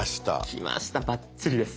きましたバッチリです！